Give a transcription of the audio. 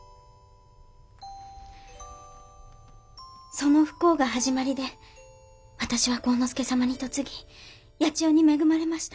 その不幸が始まりで私は晃之助様に嫁ぎ八千代に恵まれました。